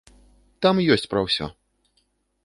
Там ёсць пра ўсё.